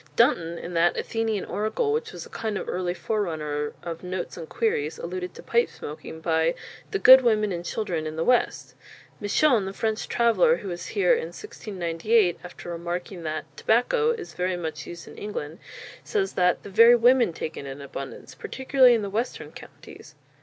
Dunton, in that Athenian Oracle which was a kind of early forerunner of Notes and Queries, alluded to pipe smoking by "the good Women and Children in the West." Misson, the French traveller, who was here in 1698, after remarking that "Tabacco" is very much used in England, says that "the very Women take it in abundance, particularly in the Western Counties.